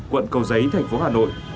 quận cầu giấy thành phố hà nội